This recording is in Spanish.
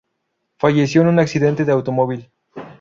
Falleció en accidente de automóvil.